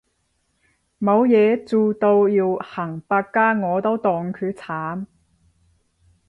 冇嘢做到要行百佳我都戥佢慘